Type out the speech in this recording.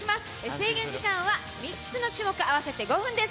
制限時間は３つの種目合わせて５分です。